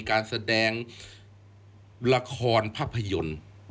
การแสดงละครภาพยนตร์